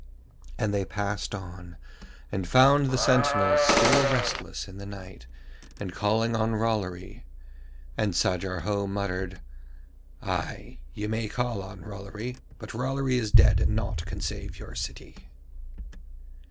And they passed on and found the sentinel still restless in the night and calling on Rollory. And Sajar Ho muttered: 'Ay, you may call on Rollory, but Rollory is dead and naught can save your city.'